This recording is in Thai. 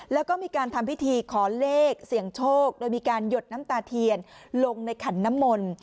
แล้วก็มีการทำพิธีขอเลขเสี่ยงโชคโดยมีการหยดน้ำตาเทียนลงในขันน้ำมนต์